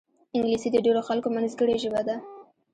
انګلیسي د ډېرو خلکو منځګړې ژبه ده